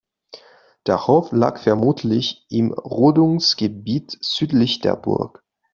Der Hof lag vermutlich im Rodungsgebiet südlich der Burg.